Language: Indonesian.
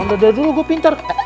uang udah dulu gue pintar